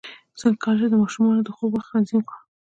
څنګه کولی شم د ماشومانو د خوب وخت تنظیم کړم